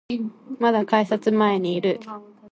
まだ改札前にいる